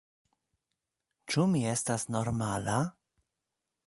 Ĉu mi estas normala?